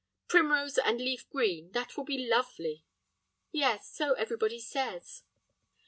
"Primrose and leaf green, that will be lovely." "Yes, so everybody says."